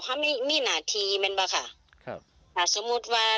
เพราะว่าเป็นข้าวสิทธิ์ไปหาม